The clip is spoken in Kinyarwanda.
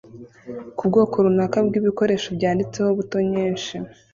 kubwoko runaka bwibikoresho byanditseho buto nyinshi